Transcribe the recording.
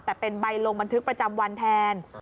แต่เป็นใบลงบันทึกประจำวันแทน